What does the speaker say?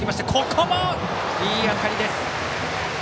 ここもいい当たりです！